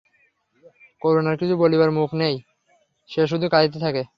করুণার কিছু বলিবার মুখ নাই, সে শুধু কাঁদিতে থাকে।